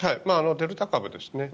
デルタ株ですね。